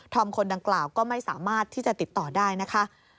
คนดังกล่าวก็ไม่สามารถที่จะติดต่อได้นะคะ